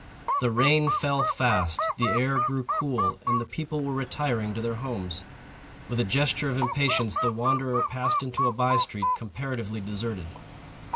The rain fell fast; the air grew cool; and the people were retiring to their homes. With a gesture of impatience, the wanderer passed into a by street comparatively deserted.